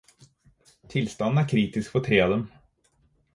Tilstanden er kritisk for tre av dem.